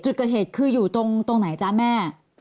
จุดเกิดเหตุคืออยู่ตรงไหนจ๊ะแม่